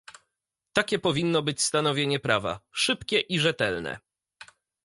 Takie powinno być stanowienie prawa - szybkie i rzetelne